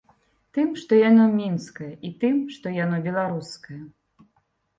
Тым, што яно мінскае, і тым, што яно беларускае.